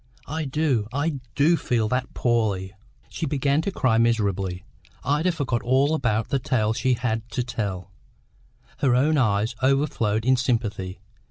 I do, I do feel that poorly!" She began to cry miserably. Ida forgot all about the tale she had to tell; her own eyes overflowed in sympathy.